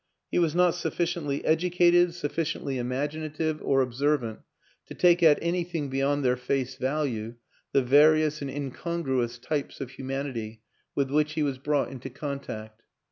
He was not sufficiently educated, suffi ciently imaginative or observant, to take at any thing beyond their face value the various and in congruous types of humanity with which he was brought into contact.